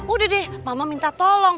udah deh mama minta tolong